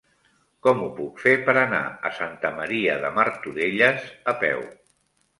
Com ho puc fer per anar a Santa Maria de Martorelles a peu?